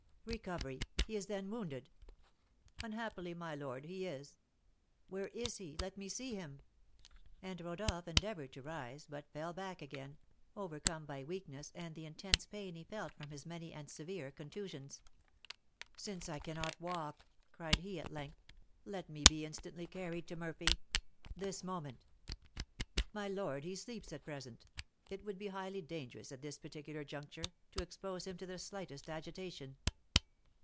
"Recovery! He is, then, wounded?" "Unhappily, my lord, he is." "Where is he? Let me see him!" And Rodolph endeavoured to rise, but fell back again, overcome by weakness and the intense pain he felt from his many and severe contusions. "Since I cannot walk," cried he, at length, "let me be instantly carried to Murphy, this moment!" "My lord, he sleeps at present; it would be highly dangerous, at this particular juncture, to expose him to the slightest agitation."